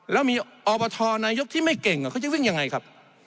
แล้วมีอบทนายกที่ไม่เก่งเขาจะวิ่งยังไงครับ